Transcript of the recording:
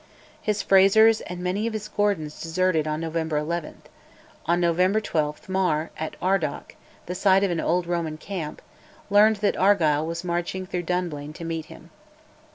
His Frazers and many of his Gordons deserted on November 11; on November 12 Mar, at Ardoch (the site of an old Roman camp), learned that Argyll was marching through Dunblane to meet him.